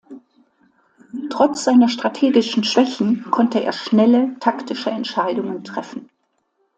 Trotz seiner strategischen Schwächen konnte er schnelle taktische Entscheidungen treffen.